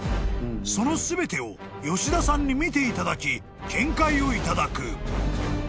［その全てを吉田さんに見ていただき見解をいただく］